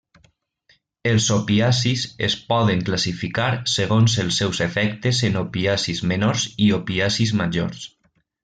Els opiacis es poden classificar segons els seus efectes en opiacis menors i opiacis majors.